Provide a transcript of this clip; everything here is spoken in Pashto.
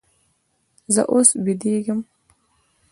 زه اوس بېدېږم.